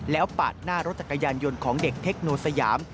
แล้วปาดหน้ารถจักรยานยนต์ของเด็กเทคโนสยาม